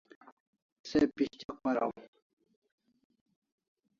Se pishtyak paraw